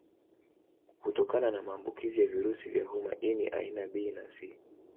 Hutokana na maambukizi ya virusi vya homa ini aina B na C